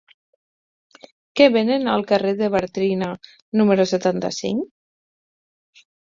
Què venen al carrer de Bartrina número setanta-cinc?